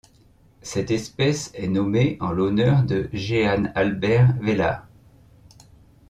Cette espèce est nommée en l'honneur de Jehan Albert Vellard.